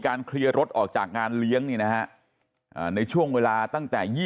เคลียร์รถออกจากงานเลี้ยงนี่นะฮะในช่วงเวลาตั้งแต่๒๐